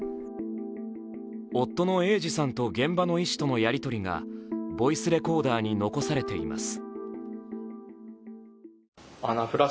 夫・英治さんと現場の医師とのやりとりがボイスレコーダーに残されています。